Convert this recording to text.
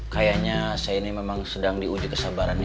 kayaknya saya ini memang sedang diuji kesabarannya